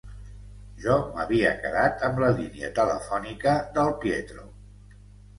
Jo m’havia quedat amb la línia telefònica del Pietro.